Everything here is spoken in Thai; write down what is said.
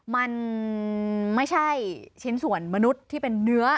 มันไม่ใช่ชิ้นส่วนมนุษย์ที่เป็นเนื้อ